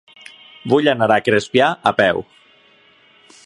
Vull anar a Crespià a peu.